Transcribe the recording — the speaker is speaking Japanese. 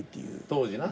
当時な？